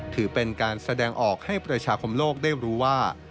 ถือเป็นการแสดงออกให้ประชาคมโลกได้รู้ว่า